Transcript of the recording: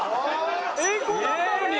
英孝だったのに。